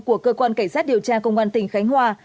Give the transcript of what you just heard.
của cơ quan cảnh sát điều tra công an tỉnh khánh hòa